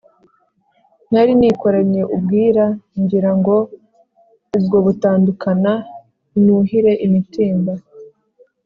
Nari nikoranye ubwira ngira ngo ubwo butandukana, nuhire imitimba.